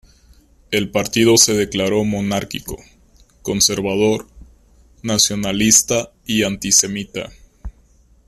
El partido se declaró monárquico, conservador, nacionalista y antisemita.